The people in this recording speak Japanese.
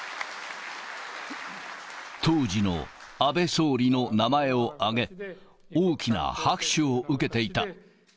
当時の安倍総理の名前を挙げ、大きな拍手を受けていた。